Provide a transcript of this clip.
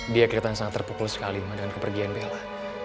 dia kelihatan sangat terpukul sekali dengan kepergian bella